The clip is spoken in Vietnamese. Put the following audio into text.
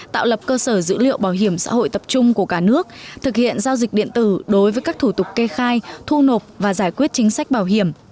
tạo lập cơ sở dữ liệu bảo hiểm xã hội tập trung của cả nước thực hiện giao dịch điện tử đối với các thủ tục kê khai thu nộp và giải quyết chính sách bảo hiểm